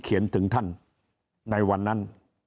เขียนถึงท่านในวันนั้น